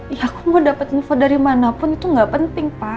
ya aku mau dapat info dari manapun itu nggak penting pak